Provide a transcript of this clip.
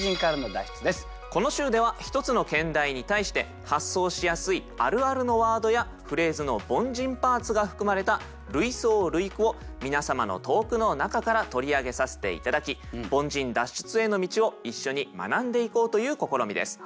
この週では１つの兼題に対して発想しやすいあるあるのワードやフレーズの凡人パーツが含まれた類想類句を皆様の投句の中から取り上げさせて頂き凡人脱出への道を一緒に学んでいこうという試みです。